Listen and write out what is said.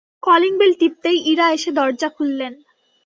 Calling bell টিপতেই ইরা এসে দরজা খুললেন।